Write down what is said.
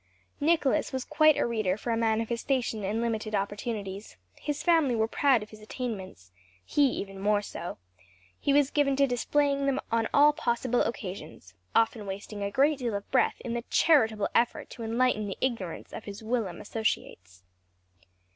Nicholas was quite a reader for a man of his station and limited opportunities; his family were proud of his attainments; he even more so; he was given to displaying them on all possible occasions; often wasting a great deal of breath in the charitable effort to enlighten the ignorance of his whilom associates.